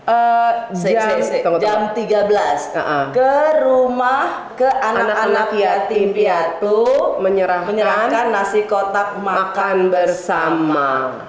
eh jam tiga belas ke rumah ke anak anak yatim piatu menyerahkan nasi kotak makan bersama